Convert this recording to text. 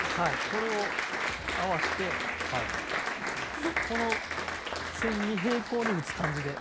これを合わしてこの線に平行に打つ感じで。